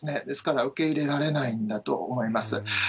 ですから、受け入れられないんだと思います。